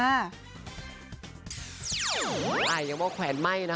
อายยังว่าแขวนไหม้นะคะ